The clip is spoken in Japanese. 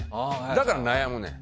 だから悩むねん。